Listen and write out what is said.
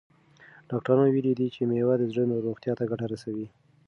ډاکټرانو ویلي دي چې مېوه د زړه روغتیا ته ګټه رسوي.